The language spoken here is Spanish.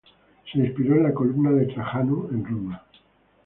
Se inspiró en la columna de Trajano en Roma.